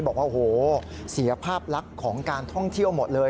บอกว่าโอ้โหเสียภาพลักษณ์ของการท่องเที่ยวหมดเลย